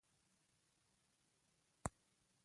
کیف ښاریې د خپل مرکز په توګه وټاکه.